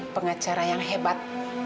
pengacara yang hebat